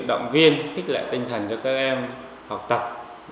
động viên khích lệ tinh thần cho các em học tập